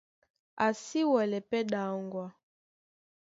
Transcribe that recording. A si wɛlɛ́ pɛ́ ɗaŋgwa.